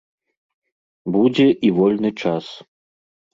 Будзе і вольны час.